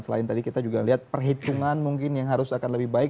selain tadi kita juga lihat perhitungan mungkin yang harus akan lebih baik